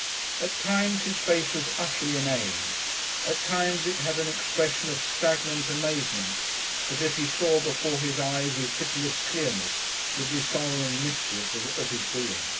At times his face was utterly inane, at times it had an expression of stagnant amazement, as if he saw before his eyes with pitiless clearness the dishonour and mischief of his being....